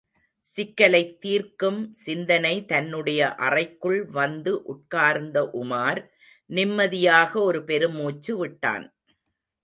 சிக்கலைத் தீர்க்கும் சிந்தனை தன்னுடைய அறைக்குள் வந்து உட்கார்ந்த உமார் நிம்மதியாக ஒரு பெருமூச்சு விட்டான்.